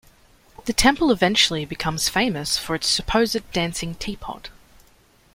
The temple eventually becomes famous for its supposed dancing teapot.